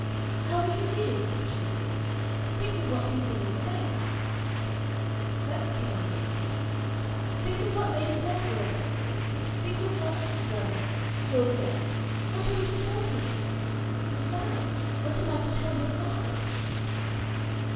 "How will you live?" she appealed. "Think of what people will say!" That became a refrain. "Think of what Lady Palsworthy will say! Think of what" So and so "will say! What are we to tell people? "Besides, what am I to tell your father?"